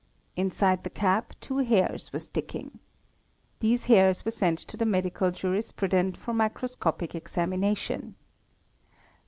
Inside the cap two hairs were sticking. These hairs were sent to the medical jurisprudent for microscopic examination.